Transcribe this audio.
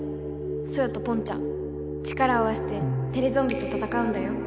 ソヨとポンちゃん力を合わせてテレゾンビとたたかうんだよ。